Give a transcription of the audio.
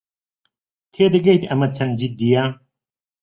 تێدەگەیت ئەمە چەند جددییە؟